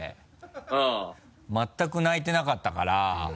全く泣いてなかったから。